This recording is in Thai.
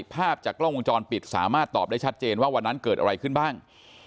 ภาพจากกล้องวงจรปิดสามารถตอบได้ชัดเจนว่าวันนั้นเกิดอะไรขึ้นบ้าง